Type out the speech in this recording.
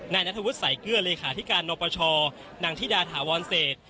นัทธวุฒิสายเกลือเลขาธิการนปชนางธิดาถาวรเศษ